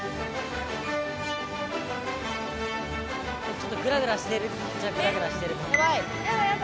ちょっとグラグラしてるっちゃグラグラしてる怖い！